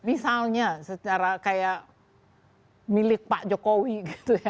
misalnya secara kayak milik pak jokowi gitu ya